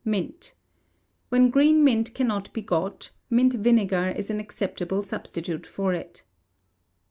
Mint. When green mint cannot be got, mint vinegar is an acceptable substitute for it.